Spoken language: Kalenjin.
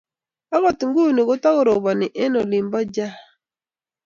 Agot inguno kotagoroponi eng' olin po jaa